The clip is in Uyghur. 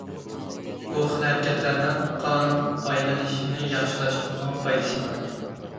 بۇ خىل ھەرىكەتلەرنىڭ قان ئايلىنىشنى ياخشىلاشقىمۇ پايدىسى بار.